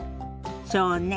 そうね。